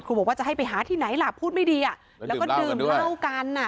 บอกว่าจะให้ไปหาที่ไหนล่ะพูดไม่ดีอ่ะแล้วก็ดื่มเหล้ากันอ่ะ